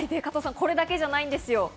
加藤さん、これだけじゃないんです。